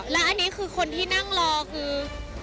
แล้วอันนี้คือคนที่นั่งรอคือ